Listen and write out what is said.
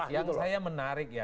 yang saya menarik ya